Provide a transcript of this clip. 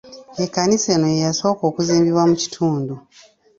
Ekkanisa eno ye yasooka okuzimbibwa mu kitundu.